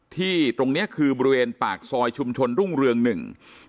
ตรงเนี้ยคือบริเวณปากซอยชุมชนรุ่งเรืองหนึ่ง